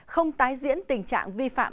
không tái diễn tình trạng vi phạm